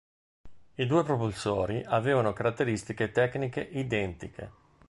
I due propulsori avevano caratteristiche tecniche identiche.